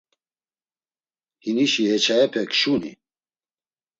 Hinişi heçayepe kşuni?